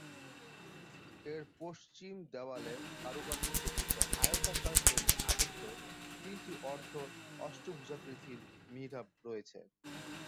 এর পশ্চিম দেওয়ালে কারুকার্য খচিত আয়তাকার ফ্রেমে আবদ্ধ তিনটি অর্ধ-অষ্টভুজাকৃতির মিহরাব রয়েছে।